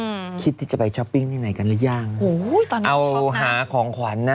อืมคิดที่จะไปช้อปปิ้งที่ไหนกันหรือยังโอ้โหตอนนี้เอาหาของขวัญน่ะ